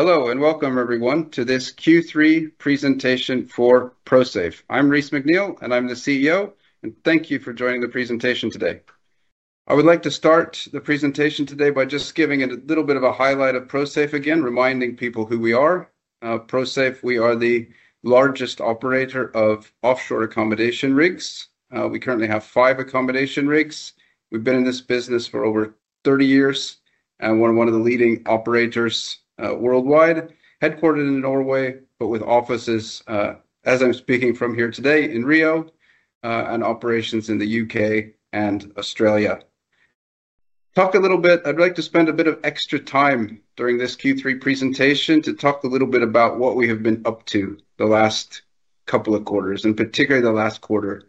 Hello and welcome, everyone, to this Q3 presentation for ProSafe. I'm Reese McNeel, and I'm the CEO, and thank you for joining the presentation today. I would like to start the presentation today by just giving a little bit of a highlight of ProSafe again, reminding people who we are. ProSafe, we are the largest operator of offshore accommodation rigs. We currently have five accommodation rigs. We've been in this business for over 30 years and we're one of the leading operators worldwide, headquartered in Norway, but with offices, as I'm speaking from here today, in Rio, and operations in the U.K. and Australia. I would like to spend a bit of extra time during this Q3 presentation to talk a little bit about what we have been up to the last couple of quarters, and particularly the last quarter.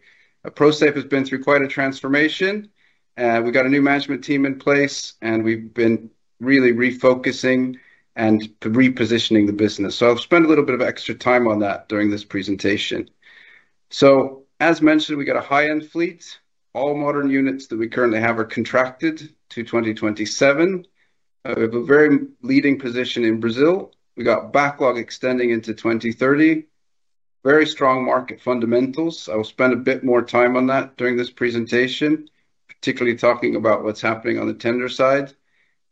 ProSafe has been through quite a transformation, and we got a new management team in place, and we've been really refocusing and repositioning the business. I will spend a little bit of extra time on that during this presentation. As mentioned, we got a high-end fleet. All modern units that we currently have are contracted to 2027. We have a very leading position in Brazil. We got backlog extending into 2030. Very strong market fundamentals. I will spend a bit more time on that during this presentation, particularly talking about what's happening on the tender side.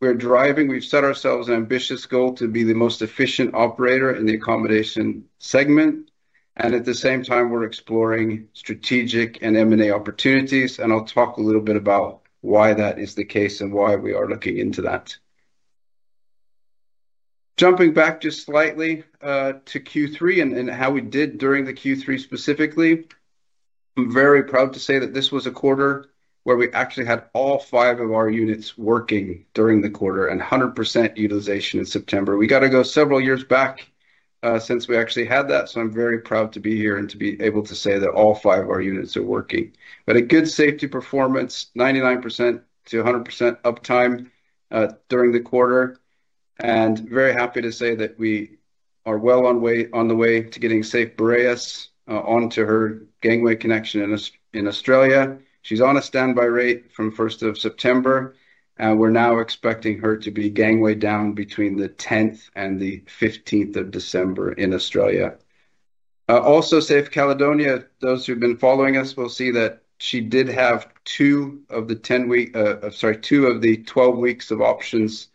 We're driving—we've set ourselves an ambitious goal to be the most efficient operator in the accommodation segment, and at the same time, we're exploring strategic and M&A opportunities, and I'll talk a little bit about why that is the case and why we are looking into that. Jumping back just slightly to Q3 and how we did during the Q3 specifically, I'm very proud to say that this was a quarter where we actually had all five of our units working during the quarter and 100% utilization in September. We got to go several years back since we actually had that, so I'm very proud to be here and to be able to say that all five of our units are working. A good safety performance, 99%-100% uptime during the quarter, and very happy to say that we are well on the way to getting Safe Boreas onto her gangway connection in Australia. She's on a standby rate from 1st of September, and we're now expecting her to be gangway down between the 10th and the 15th of December in Australia. Also, Safe Caledonia, those who've been following us will see that she did have two of the 12 weeks of options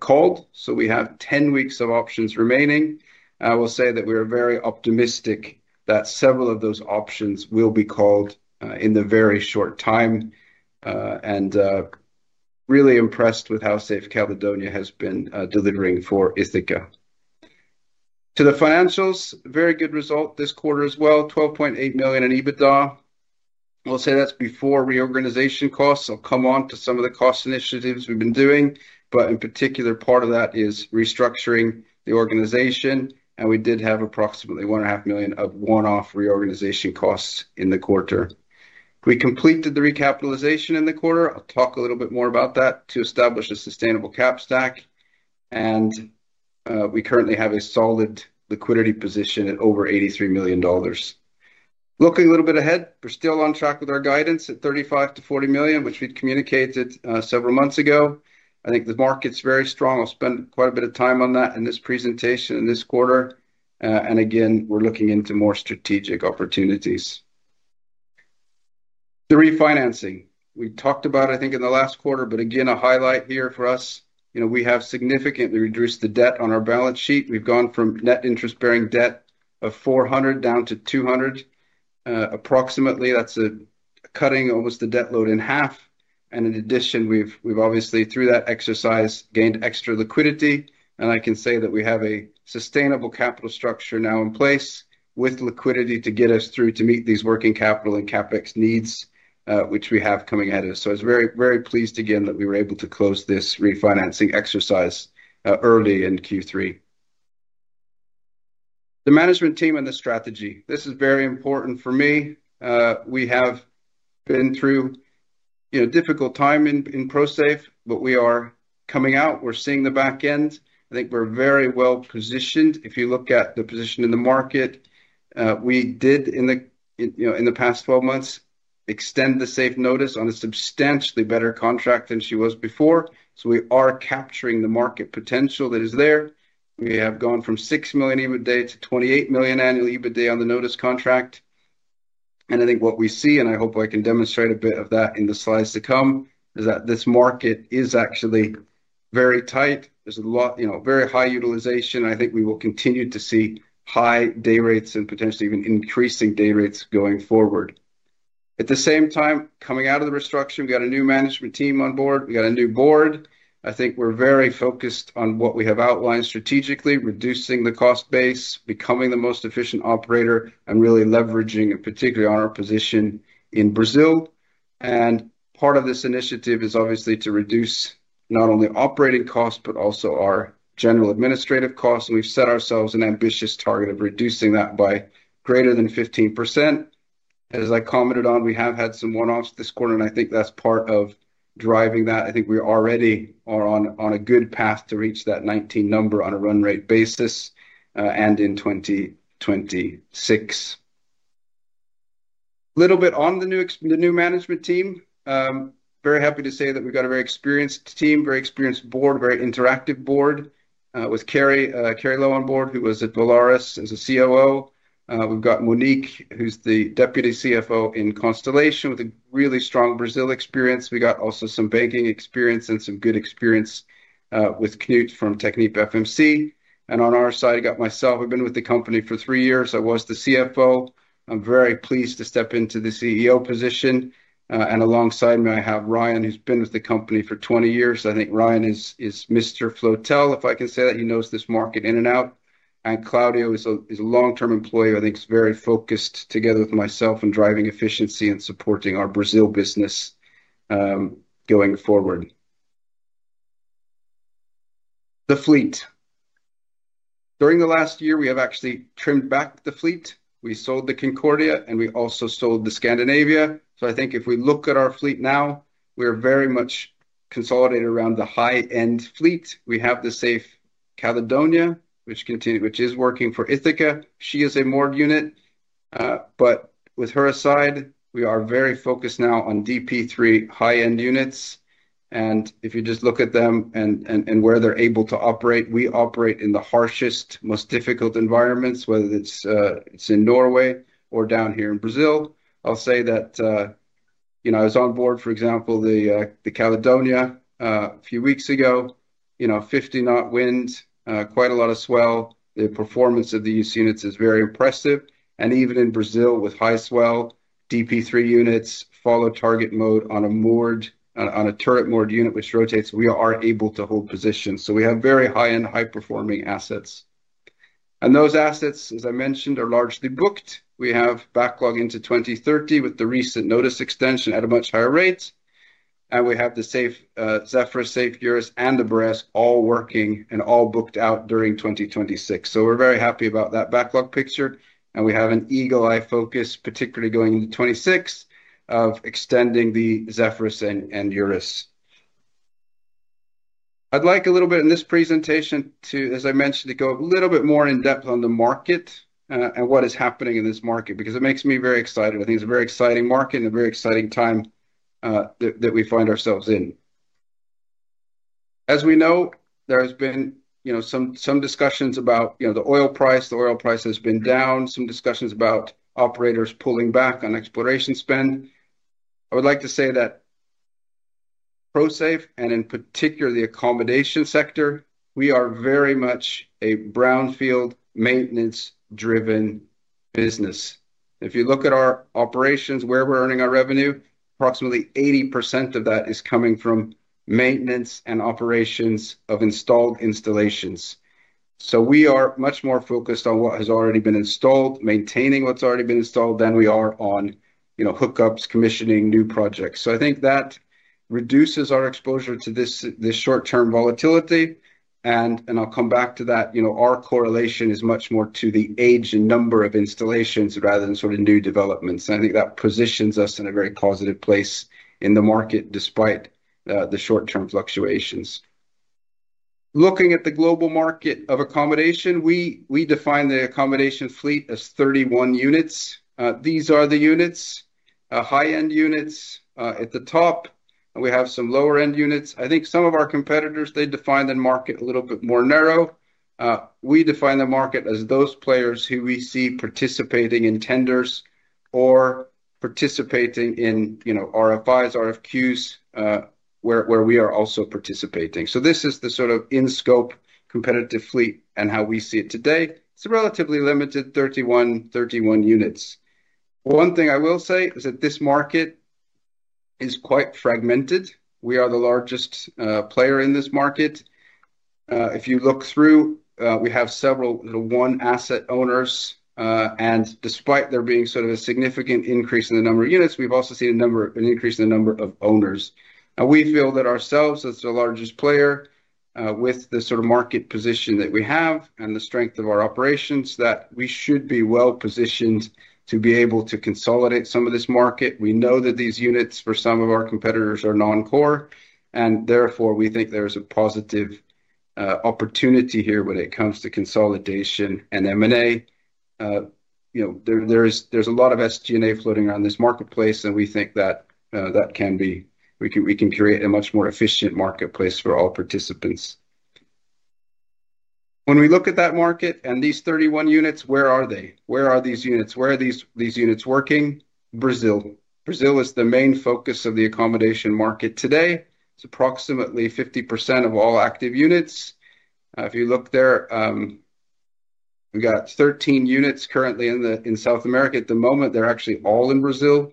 called, so we have 10 weeks of options remaining. I will say that we are very optimistic that several of those options will be called in the very short time, and really impressed with how Safe Caledonia has been delivering for Ithaca. To the financials, very good result this quarter as well, $12.8 million in EBITDA. I will say that's before reorganization costs. I'll come on to some of the cost initiatives we've been doing, but in particular, part of that is restructuring the organization, and we did have approximately $1.5 million of one-off reorganization costs in the quarter. We completed the recapitalization in the quarter. I'll talk a little bit more about that to establish a sustainable cap stack, and we currently have a solid liquidity position at over $83 million. Looking a little bit ahead, we're still on track with our guidance at $35 million-$40 million, which we'd communicated several months ago. I think the market's very strong. I'll spend quite a bit of time on that in this presentation in this quarter, and again, we're looking into more strategic opportunities. The refinancing, we talked about, I think, in the last quarter, but again, a highlight here for us. We have significantly reduced the debt on our balance sheet. We've gone from net interest-bearing debt of $400 million down to $200 million, approximately. That's cutting almost the debt load in half, and in addition, we've obviously, through that exercise, gained extra liquidity, and I can say that we have a sustainable capital structure now in place with liquidity to get us through to meet these working capital and CapEx needs which we have coming at us. I was very, very pleased again that we were able to close this refinancing exercise early in Q3. The management team and the strategy, this is very important for me. We have been through a difficult time in ProSafe, but we are coming out. We're seeing the back end. I think we're very well positioned. If you look at the position in the market, we did, in the past 12 months, extend the Safe Notos on a substantially better contract than she was before, so we are capturing the market potential that is there. We have gone from $6 million EBITDA to $28 million annual EBITDA on the Notos contract, and I think what we see, and I hope I can demonstrate a bit of that in the slides to come, is that this market is actually very tight. There is a lot of very high utilization, and I think we will continue to see high day rates and potentially even increasing day rates going forward. At the same time, coming out of the restructuring, we got a new management team on board. We got a new board. I think we are very focused on what we have outlined strategically, reducing the cost base, becoming the most efficient operator, and really leveraging, and particularly on our position in Brazil. Part of this initiative is obviously to reduce not only operating costs but also our general administrative costs, and we've set ourselves an ambitious target of reducing that by greater than 15%. As I commented on, we have had some one-offs this quarter, and I think that's part of driving that. I think we already are on a good path to reach that 19 number on a run rate basis and in 2026. A little bit on the new management team, very happy to say that we've got a very experienced team, very experienced board, very interactive board with Carey Lowe on board, who was at Valaris as a COO. We've got Monique, who's the Deputy CFO in Constellation, with a really strong Brazil experience. We got also some banking experience and some good experience with Knut from TechnipFMC. On our side, I got myself. I've been with the company for three years. I was the CFO. I'm very pleased to step into the CEO position, and alongside me, I have Ryan, who's been with the company for 20 years. I think Ryan is Mr. Flotel, if I can say that. He knows this market in and out, and Claudio is a long-term employee. I think he's very focused together with myself on driving efficiency and supporting our Brazil business going forward. The fleet. During the last year, we have actually trimmed back the fleet. We sold the Concordia, and we also sold the Scandinavia. I think if we look at our fleet now, we are very much consolidated around the high-end fleet. We have the Safe Caledonia, which is working for Ithaca. She is a moored unit, but with her aside, we are very focused now on DP3 high-end units, and if you just look at them and where they're able to operate, we operate in the harshest, most difficult environments, whether it's in Norway or down here in Brazil. I'll say that I was on board, for example, the Caledonia a few weeks ago. Fifty-knot winds, quite a lot of swell. The performance of these units is very impressive, and even in Brazil with high swell, DP3 units follow target mode on a turret-moored unit, which rotates, we are able to hold position. We have very high-end, high-performing assets, and those assets, as I mentioned, are largely booked. We have backlog into 2030 with the recent Notos extension at a much higher rate, and we have the Zephyrus, Safe Urus, and the Boreas all working and all booked out during 2026. We're very happy about that backlog picture, and we have an eagle-eye focus, particularly going into 2026, of extending the Zephyrus and Urus. I'd like a little bit in this presentation to, as I mentioned, go a little bit more in depth on the market and what is happening in this market because it makes me very excited. I think it's a very exciting market and a very exciting time that we find ourselves in. As we know, there has been some discussions about the oil price. The oil price has been down, some discussions about operators pulling back on exploration spend. I would like to say that ProSafe, and in particular the accommodation sector, we are very much a brownfield maintenance-driven business. If you look at our operations, where we're earning our revenue, approximately 80% of that is coming from maintenance and operations of installed installations. We are much more focused on what has already been installed, maintaining what's already been installed than we are on hookups, commissioning new projects. I think that reduces our exposure to this short-term volatility, and I'll come back to that. Our correlation is much more to the age and number of installations rather than sort of new developments, and I think that positions us in a very positive place in the market despite the short-term fluctuations. Looking at the global market of accommodation, we define the accommodation fleet as 31 units. These are the units, high-end units at the top, and we have some lower-end units. I think some of our competitors, they define the market a little bit more narrow. We define the market as those players who we see participating in tenders or participating in RFIs, RFQs, where we are also participating. This is the sort of in-scope competitive fleet and how we see it today. It is a relatively limited 31 units. One thing I will say is that this market is quite fragmented. We are the largest player in this market. If you look through, we have several one-asset owners, and despite there being sort of a significant increase in the number of units, we have also seen an increase in the number of owners. We feel that ourselves, as the largest player, with the sort of market position that we have and the strength of our operations, that we should be well positioned to be able to consolidate some of this market. We know that these units for some of our competitors are non-core, and therefore, we think there is a positive opportunity here when it comes to consolidation and M&A. There's a lot of SG&A floating around this marketplace, and we think that that can be—we can create a much more efficient marketplace for all participants. When we look at that market and these 31 units, where are they? Where are these units? Where are these units working? Brazil. Brazil is the main focus of the accommodation market today. It's approximately 50% of all active units. If you look there, we got 13 units currently in South America at the moment. They're actually all in Brazil.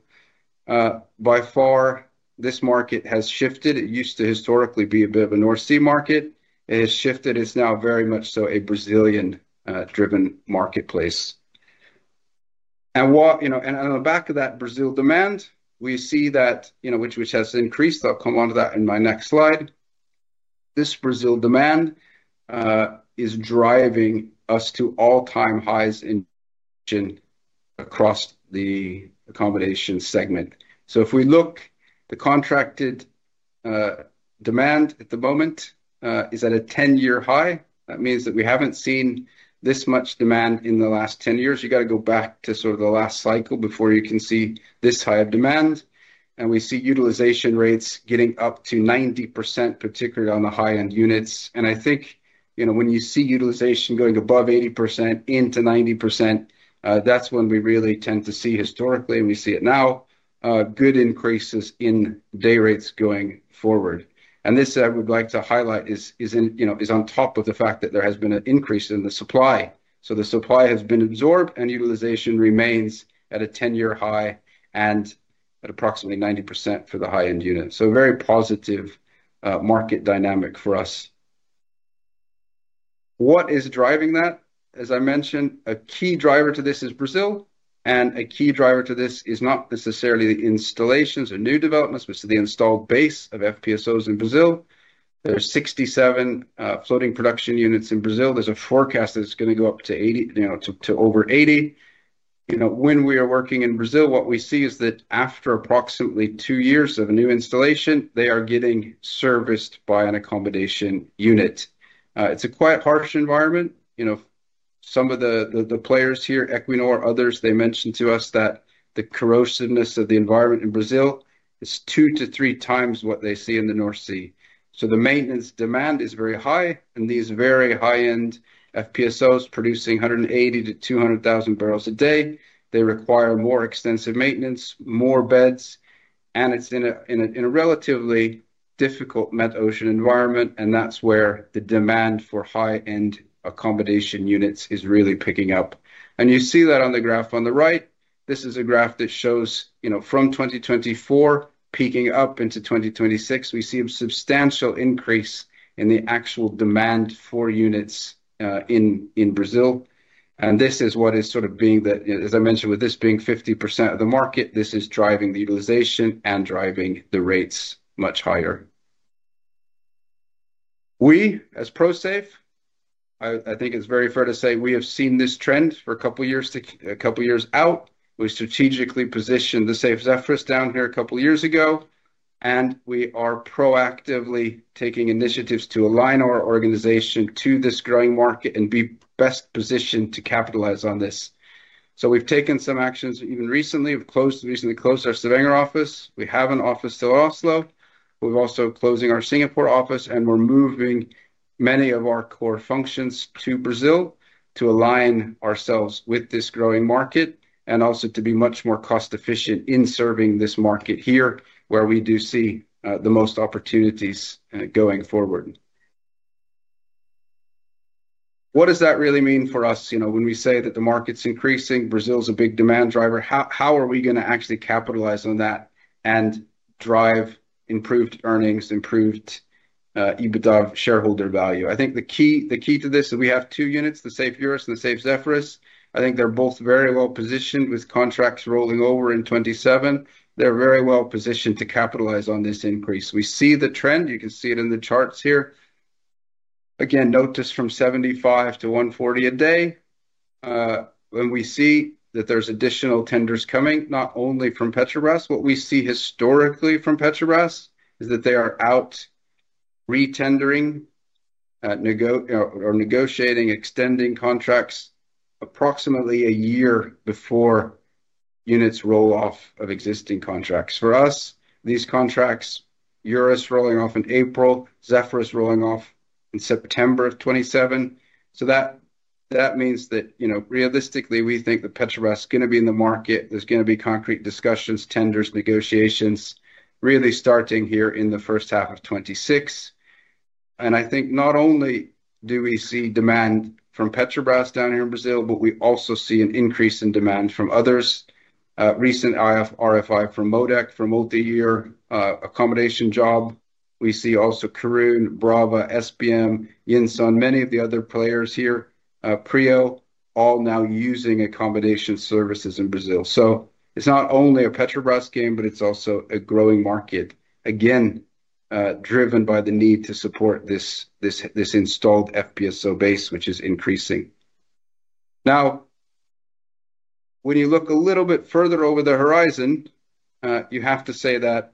By far, this market has shifted. It used to historically be a bit of a North Sea market. It has shifted. It's now very much so a Brazilian-driven marketplace. On the back of that Brazil demand, we see that, which has increased. I'll come on to that in my next slide. This Brazil demand is driving us to all-time highs across the accommodation segment. If we look, the contracted demand at the moment is at a 10-year high. That means that we have not seen this much demand in the last 10 years. You have to go back to sort of the last cycle before you can see this high of demand, and we see utilization rates getting up to 90%, particularly on the high-end units. I think when you see utilization going above 80% into 90%, that is when we really tend to see historically, and we see it now, good increases in day rates going forward. This I would like to highlight is on top of the fact that there has been an increase in the supply. The supply has been absorbed, and utilization remains at a 10-year high and at approximately 90% for the high-end unit. A very positive market dynamic for us. What is driving that? As I mentioned, a key driver to this is Brazil, and a key driver to this is not necessarily the installations or new developments, but the installed base of FPSOs in Brazil. There are 67 floating production units in Brazil. There is a forecast that it is going to go up to over 80. When we are working in Brazil, what we see is that after approximately two years of a new installation, they are getting serviced by an accommodation unit. It is a quite harsh environment. Some of the players here, Equinor, others, they mentioned to us that the corrosiveness of the environment in Brazil is two to three times what they see in the North Sea. The maintenance demand is very high, and these very high-end FPSOs producing 180,000 to 200,000 barrels a day, they require more extensive maintenance, more beds, and it's in a relatively difficult Med Ocean environment, and that's where the demand for high-end accommodation units is really picking up. You see that on the graph on the right. This is a graph that shows from 2024 peaking up into 2026. We see a substantial increase in the actual demand for units in Brazil, and this is what is sort of being the, as I mentioned, with this being 50% of the market, this is driving the utilization and driving the rates much higher. We, as ProSafe, I think it's very fair to say we have seen this trend for a couple of years out. We strategically positioned the Safe Zephyrus down here a couple of years ago, and we are proactively taking initiatives to align our organization to this growing market and be best positioned to capitalize on this. We have taken some actions even recently. We have recently closed our Stavanger office. We have an office still in Oslo. We are also closing our Singapore office, and we are moving many of our core functions to Brazil to align ourselves with this growing market and also to be much more cost-efficient in serving this market here where we do see the most opportunities going forward. What does that really mean for us? When we say that the market is increasing, Brazil is a big demand driver, how are we going to actually capitalize on that and drive improved earnings, improved EBITDA of shareholder value? I think the key to this is we have two units, the Safe Urus and the Safe Zephyrus. I think they're both very well positioned with contracts rolling over in 2027. They're very well positioned to capitalize on this increase. We see the trend. You can see it in the charts here. Again, notice from 75 to 140 a day. When we see that there's additional tenders coming, not only from Petrobras, what we see historically from Petrobras is that they are out retendering or negotiating extending contracts approximately a year before units roll off of existing contracts. For us, these contracts, Urus rolling off in April, Zephyrus rolling off in September of 2027. That means that realistically, we think that Petrobras is going to be in the market. There's going to be concrete discussions, tenders, negotiations really starting here in the first half of 2026. I think not only do we see demand from Petrobras down here in Brazil, but we also see an increase in demand from others. Recent RFI from MODEC for multi-year accommodation job. We see also Karoon, Brava, SBM, Yinson, many of the other players here, PRIO, all now using accommodation services in Brazil. It is not only a Petrobras game, but it is also a growing market, again, driven by the need to support this installed FPSO base, which is increasing. Now, when you look a little bit further over the horizon, you have to say that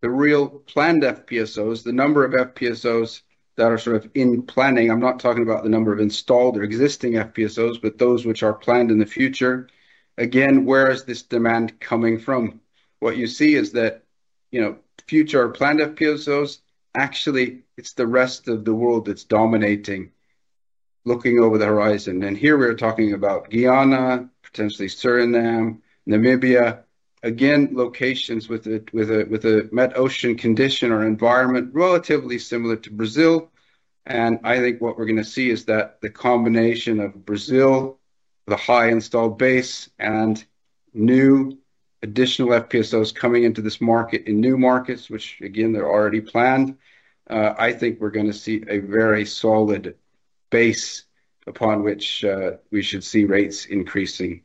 the real planned FPSOs, the number of FPSOs that are sort of in planning, I am not talking about the number of installed or existing FPSOs, but those which are planned in the future. Again, where is this demand coming from? What you see is that future planned FPSOs, actually, it's the rest of the world that's dominating looking over the horizon. Here we are talking about Guyana, potentially Suriname, Namibia. Again, locations with a Med Ocean condition or environment relatively similar to Brazil. I think what we're going to see is that the combination of Brazil, the high installed base, and new additional FPSOs coming into this market in new markets, which, again, they're already planned, I think we're going to see a very solid base upon which we should see rates increasing.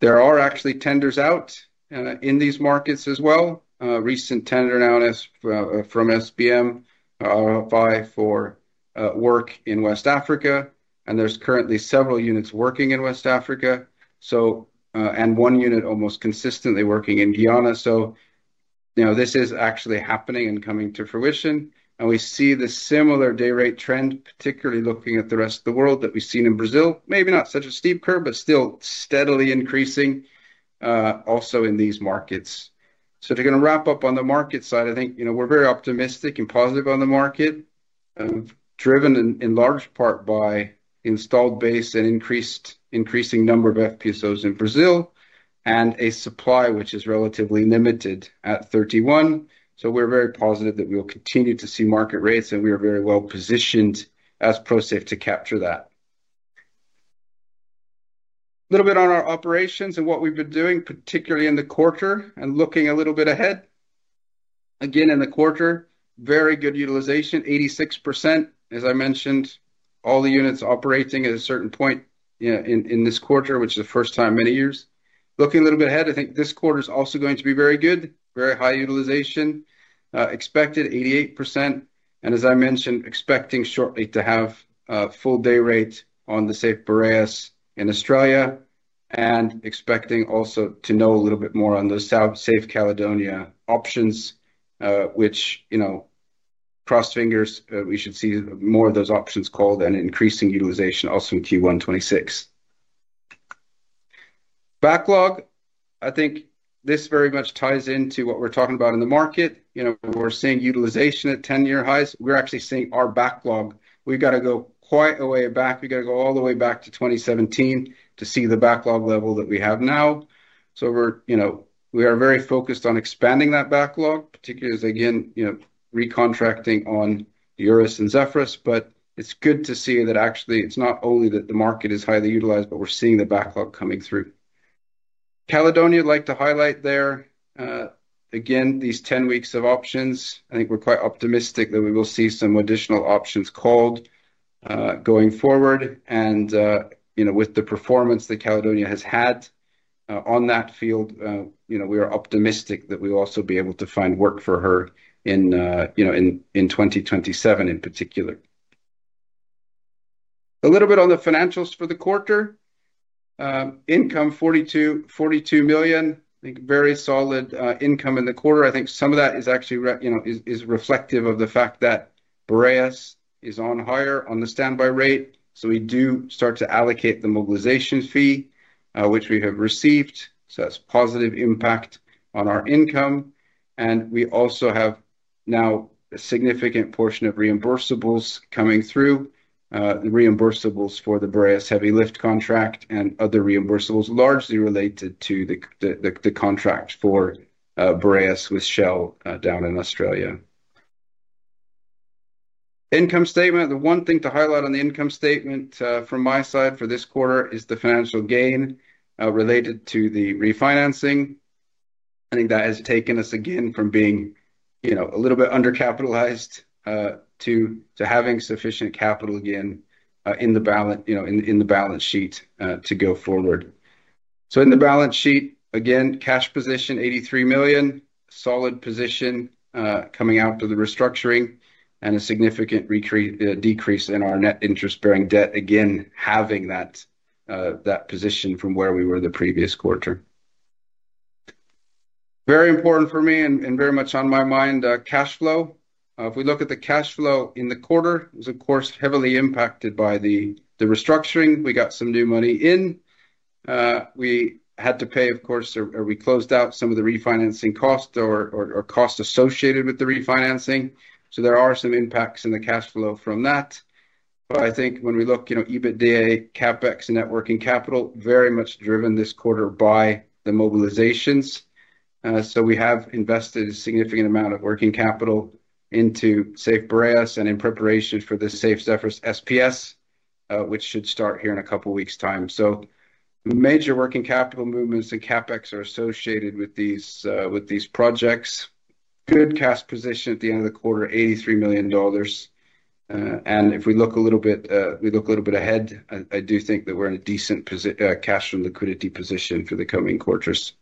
There are actually tenders out in these markets as well. Recent tender now from SBM, RFI for work in West Africa, and there's currently several units working in West Africa, and one unit almost consistently working in Guyana. This is actually happening and coming to fruition, and we see the similar day rate trend, particularly looking at the rest of the world that we've seen in Brazil. Maybe not such a steep curve, but still steadily increasing also in these markets. To kind of wrap up on the market side, I think we're very optimistic and positive on the market, driven in large part by installed base and increasing number of FPSOs in Brazil and a supply which is relatively limited at 31. We're very positive that we'll continue to see market rates, and we are very well positioned as ProSafe to capture that. A little bit on our operations and what we've been doing, particularly in the quarter and looking a little bit ahead. Again, in the quarter, very good utilization, 86%. As I mentioned, all the units operating at a certain point in this quarter, which is the first time in many years. Looking a little bit ahead, I think this quarter is also going to be very good, very high utilization, expected 88%. As I mentioned, expecting shortly to have full day rate on the Safe Boreas in Australia and expecting also to know a little bit more on the Safe Caledonia options, which, cross fingers, we should see more of those options called and increasing utilization also in Q1 2026. Backlog, I think this very much ties into what we're talking about in the market. We're seeing utilization at 10-year highs. We're actually seeing our backlog. We've got to go quite a way back. We've got to go all the way back to 2017 to see the backlog level that we have now. We are very focused on expanding that backlog, particularly as, again, recontracting on Urus and Zephyrus. It is good to see that actually it is not only that the market is highly utilized, but we are seeing the backlog coming through. Caledonia, I would like to highlight there. Again, these 10 weeks of options, I think we are quite optimistic that we will see some additional options called going forward. With the performance that Caledonia has had on that field, we are optimistic that we will also be able to find work for her in 2027 in particular. A little bit on the financials for the quarter. Income $42 million. I think very solid income in the quarter. I think some of that is actually reflective of the fact that Boreas is on higher on the standby rate. We do start to allocate the mobilization fee, which we have received. That is positive impact on our income. We also have now a significant portion of reimbursables coming through, reimbursables for the Boreas heavy lift contract and other reimbursables largely related to the contract for Boreas with Shell down in Australia. Income statement, the one thing to highlight on the income statement from my side for this quarter is the financial gain related to the refinancing. I think that has taken us again from being a little bit undercapitalized to having sufficient capital again in the balance sheet to go forward. In the balance sheet, again, cash position $83 million, solid position coming out of the restructuring and a significant decrease in our net interest-bearing debt, again, having that position from where we were the previous quarter. Very important for me and very much on my mind, cash flow. If we look at the cash flow in the quarter, it was, of course, heavily impacted by the restructuring. We got some new money in. We had to pay, of course, or we closed out some of the refinancing cost or cost associated with the refinancing. There are some impacts in the cash flow from that. I think when we look, EBITDA, CapEx, networking capital, very much driven this quarter by the mobilizations. We have invested a significant amount of working capital into Safe Boreas and in preparation for the Safe Zephyrus SPS, which should start here in a couple of weeks' time. Major working capital movements and CapEx are associated with these projects. Good cash position at the end of the quarter, $83 million. If we look a little bit ahead, I do think that we're in a decent cash and liquidity position for the coming quarters.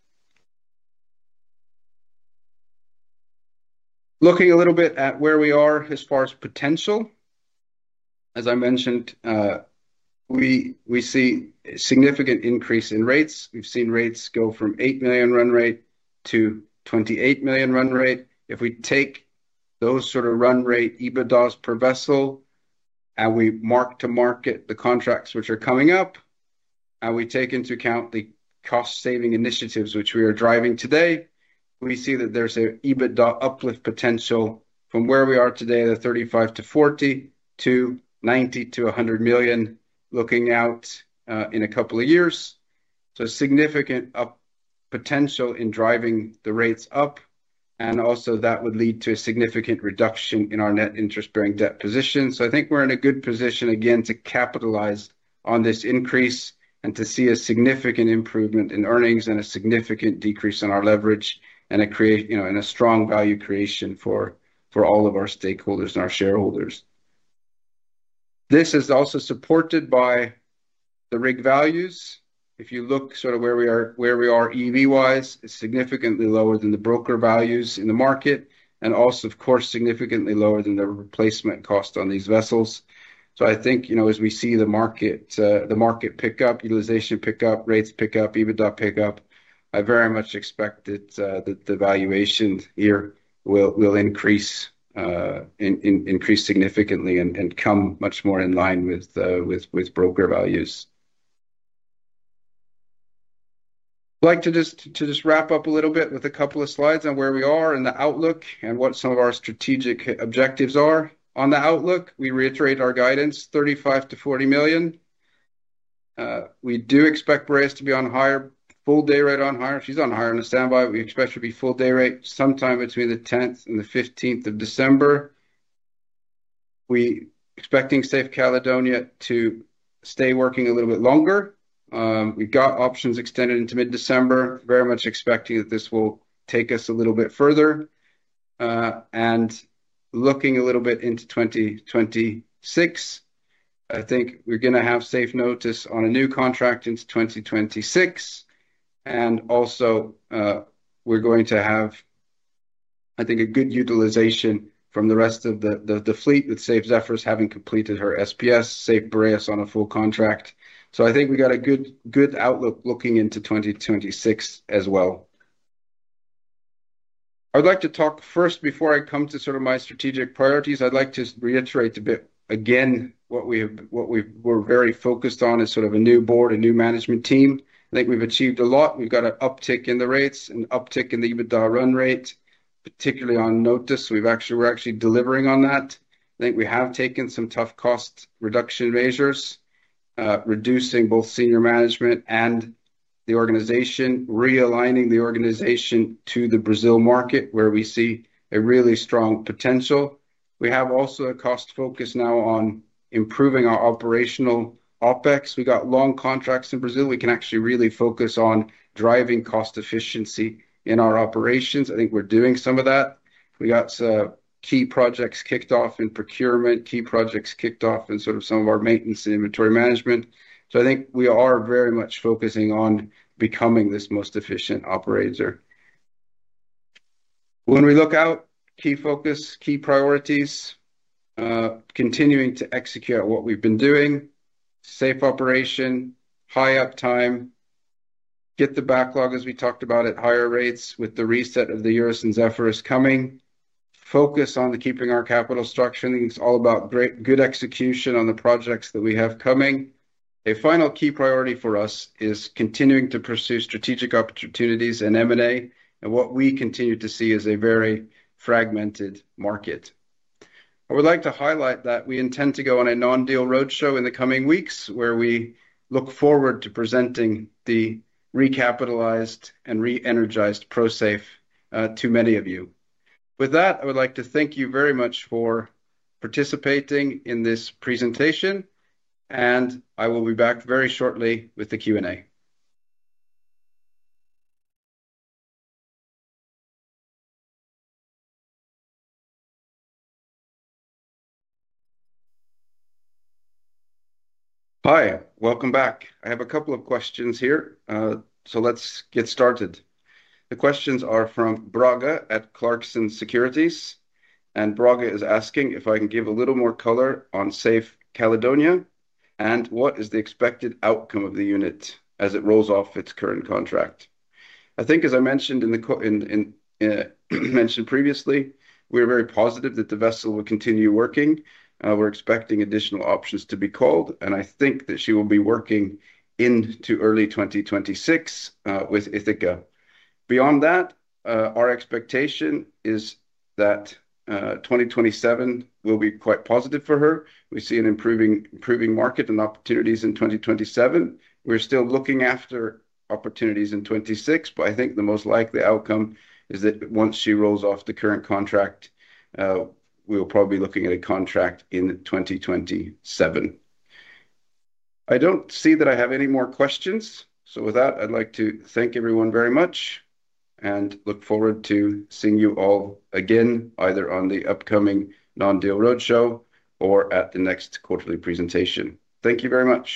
Looking a little bit at where we are as far as potential, as I mentioned, we see a significant increase in rates. We've seen rates go from $8 million run rate to $28 million run rate. If we take those sort of run rate EBITDAs per vessel and we mark to market the contracts which are coming up, and we take into account the cost-saving initiatives which we are driving today, we see that there's an EBITDA uplift potential from where we are today at $35 million-$40 million to $90 million-$100 million looking out in a couple of years. Significant potential in driving the rates up. That would lead to a significant reduction in our net interest-bearing debt position. I think we are in a good position again to capitalize on this increase and to see a significant improvement in earnings and a significant decrease in our leverage and a strong value creation for all of our stakeholders and our shareholders. This is also supported by the rig values. If you look sort of where we are EV-wise, it is significantly lower than the broker values in the market and also, of course, significantly lower than the replacement cost on these vessels. I think as we see the market pick up, utilization pick up, rates pick up, EBITDA pick up, I very much expect that the valuation here will increase significantly and come much more in line with broker values. I'd like to just wrap up a little bit with a couple of slides on where we are and the outlook and what some of our strategic objectives are. On the outlook, we reiterate our guidance, $35 million-$40 million. We do expect Boreas to be on hire, full day rate on hire. She's on hire in the standby. We expect her to be full day rate sometime between the 10th and the 15th of December. We're expecting Safe Caledonia to stay working a little bit longer. We've got options extended into mid-December, very much expecting that this will take us a little bit further. Looking a little bit into 2026, I think we're going to have Safe Notos on a new contract into 2026. We are going to have, I think, a good utilization from the rest of the fleet with Safe Zephyrus having completed her SPS, Safe Boreas on a full contract. I think we have got a good outlook looking into 2026 as well. I would like to talk first before I come to sort of my strategic priorities. I would like to reiterate a bit again what we were very focused on as sort of a new board, a new management team. I think we have achieved a lot. We have got an uptick in the rates and uptick in the EBITDA run rate, particularly on Notos. We are actually delivering on that. I think we have taken some tough cost reduction measures, reducing both senior management and the organization, realigning the organization to the Brazil market where we see a really strong potential. We have also a cost focus now on improving our operational OPEX. We've got long contracts in Brazil. We can actually really focus on driving cost efficiency in our operations. I think we're doing some of that. We got key projects kicked off in procurement, key projects kicked off in sort of some of our maintenance and inventory management. I think we are very much focusing on becoming this most efficient operator. When we look out, key focus, key priorities, continuing to execute what we've been doing, safe operation, high uptime, get the backlog as we talked about at higher rates with the reset of the Safe Urus and Safe Zephyrus coming, focus on keeping our capital structuring. It's all about good execution on the projects that we have coming. A final key priority for us is continuing to pursue strategic opportunities in M&A. What we continue to see is a very fragmented market. I would like to highlight that we intend to go on a non-deal roadshow in the coming weeks where we look forward to presenting the recapitalized and re-energized ProSafe to many of you. With that, I would like to thank you very much for participating in this presentation, and I will be back very shortly with the Q&A. Hi, welcome back. I have a couple of questions here, so let's get started. The questions are from Braga at Clarksons Securities, and Braga is asking if I can give a little more color on Safe Caledonia and what is the expected outcome of the unit as it rolls off its current contract. I think, as I mentioned previously, we are very positive that the vessel will continue working. We're expecting additional options to be called, and I think that she will be working into early 2026 with Ithaca. Beyond that, our expectation is that 2027 will be quite positive for her. We see an improving market and opportunities in 2027. We're still looking after opportunities in 2026, but I think the most likely outcome is that once she rolls off the current contract, we'll probably be looking at a contract in 2027. I don't see that I have any more questions. With that, I'd like to thank everyone very much and look forward to seeing you all again, either on the upcoming non-deal roadshow or at the next quarterly presentation. Thank you very much.